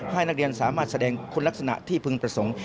ให้นักเรียนสามารถแสดงคุณลักษณะที่พึงประสงค์